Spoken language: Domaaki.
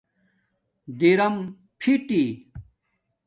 درم فیٹی